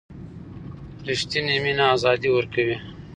ریښتینې مینه آزادي ورکوي.